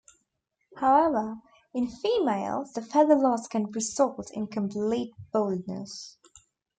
However in females the feather loss can result in complete baldness.